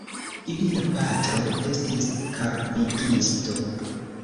Ilia patro estis karbigisto.